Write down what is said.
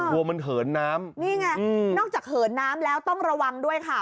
อ้าวนี่ไงนอกจากเหินน้ำแล้วต้องระวังด้วยค่ะ